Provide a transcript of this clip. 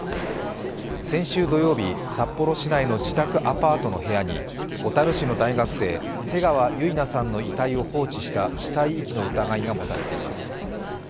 先週土曜日、札幌市内の自宅アパートの部屋に小樽市の大学生・瀬川結菜さんの遺体を放置した死体遺棄の疑いが持たれています。